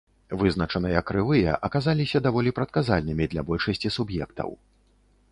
Вызначаныя крывыя аказаліся даволі прадказальнымі для большасці суб'ектаў.